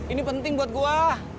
ini penting buat gua